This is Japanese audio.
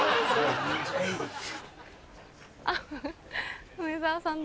あっ梅沢さんだ。